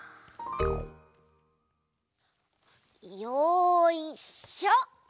よいしょ！